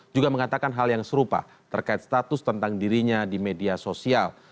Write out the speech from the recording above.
juga mengatakan hal yang serupa terkait status tentang dirinya di media sosial